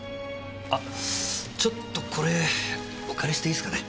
あちょっとこれお借りしていいですかね？